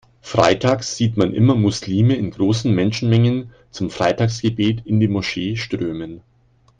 Freitags sieht man immer Muslime in großen Menschenmengen zum Freitagsgebet in die Moschee strömen.